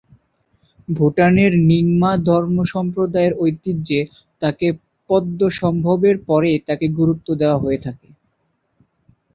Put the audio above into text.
ভুটানের র্ন্যিং-মা ধর্মসম্প্রদায়ের ঐতিহ্যে তাকে পদ্মসম্ভবের পরেই তাকে গুরুত্ব দেওয়া হয়ে থাকে।